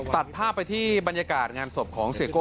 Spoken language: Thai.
ตัดภาพไปที่บรรยากาศงานศพของเสียโก้